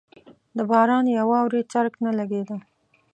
د باران یا واورې څرک نه لګېده.